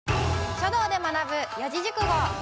「書道で学ぶ四字熟語」。